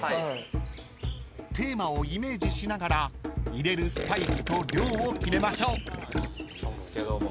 ［テーマをイメージしながら入れるスパイスと量を決めましょう］